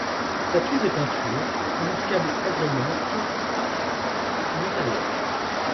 Statues et peintures remarquables agrémentent l'intérieur.